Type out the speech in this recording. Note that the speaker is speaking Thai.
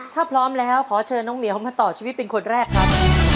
ถ้าพร้อมแล้วขอเชิญน้องเหมียวมาต่อชีวิตเป็นคนแรกครับ